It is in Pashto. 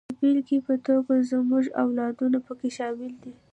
د بېلګې په توګه زموږ اولادونه پکې شامل دي.